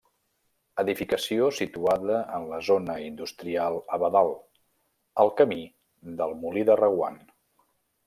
Edificació situada en la zona industrial Abadal, al camí del molí de Reguant.